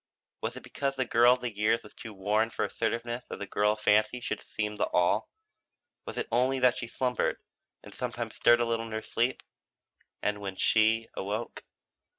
Was it because the girl of the years was too worn for assertiveness that the girl of fancy could seem the all? Was it only that she slumbered and sometimes stirred a little in her sleep? And when she awoke?